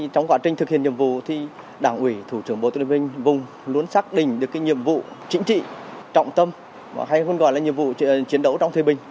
trong quá trình thực hiện nhiệm vụ thì đảng ủy thủ trưởng bộ tư lệnh vùng luôn xác định được nhiệm vụ chính trị trọng tâm hay còn gọi là nhiệm vụ chiến đấu trong thời bình